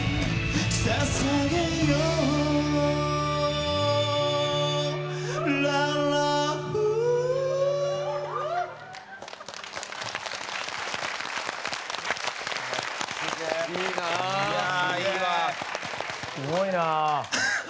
すごいな。